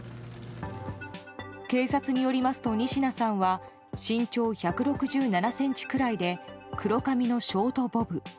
警察によりますと、仁科さんは身長１６７ｃｍくらいで黒髪のショートボブ。